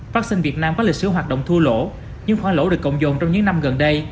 vaccine việt nam có lịch sử hoạt động thua lỗ nhưng khoan lỗ được cộng dồn trong những năm gần đây